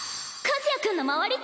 和也君の周り